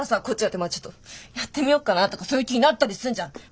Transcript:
こっちだってまあちょっとやってみよっかなとかそういう気になったりすんじゃん。